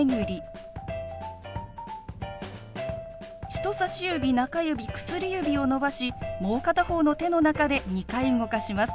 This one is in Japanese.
人さし指中指薬指を伸ばしもう片方の手の中で２回動かします。